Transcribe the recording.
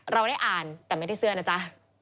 เราได้อ่านแต่ไม่ได้เสื้อนะจ๊ะ